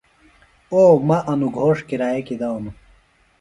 او مہ انوۡ گھوݜٹ کرایہ کیۡ دانوۡ۔